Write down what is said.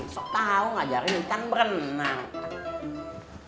so tau ngajarin ikan berenang